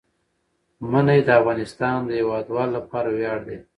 منی د افغانستان د هیوادوالو لپاره ویاړ دی.